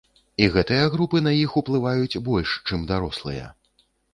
І гэтыя групы на іх уплываюць больш, чым дарослыя.